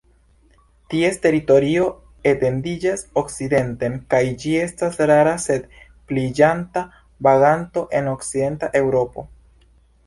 Ties teritorio etendiĝas okcidenten, kaj ĝi estas rara sed pliiĝanta vaganto en okcidenta Eŭropo.